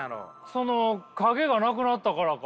その影がなくなったからか。